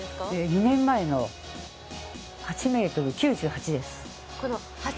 ２年前の８ｍ９８です。